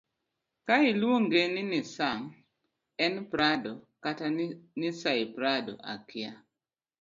ka iluonge ni nisaa en prado kata nishaiprado akia